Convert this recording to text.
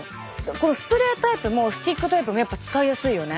このスプレータイプもスティックタイプもやっぱ使いやすいよね。